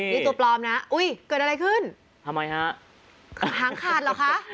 นี่ตัวปลอมนะอุ้ยเกิดอะไรขึ้นทำไมฮะหางขาดเหรอคะ